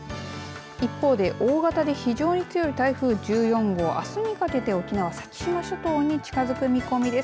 一方で大型で非常に強い台風１４号あすにかけて沖縄、先島諸島に近づく見込みです。